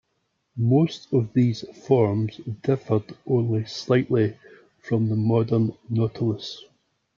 Most of these forms differed only slightly from the modern nautilus.